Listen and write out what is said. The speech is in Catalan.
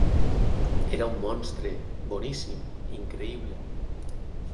Era un monstre, boníssim, increïble.